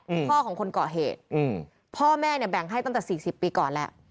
พ่อของคนก่อเหตุอืมพ่อแม่เนี่ยแบ่งให้ตั้งแต่สี่สิบปีก่อนแล้ว